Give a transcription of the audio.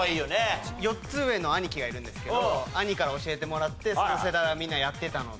４つ上の兄貴がいるんですけど兄から教えてもらってその世代はみんなやってたので。